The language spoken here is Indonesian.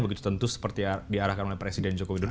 begitu tentu seperti diarahkan oleh presiden joko widodo